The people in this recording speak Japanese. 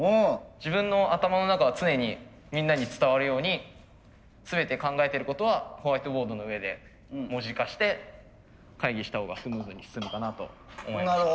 自分の頭の中が常にみんなに伝わるように全て考えてることはホワイトボードの上で文字化して会議したほうがスムーズに進むかなと思いました。